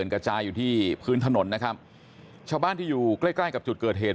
กระจายอยู่ที่พื้นถนนนะครับชาวบ้านที่อยู่ใกล้ใกล้กับจุดเกิดเหตุ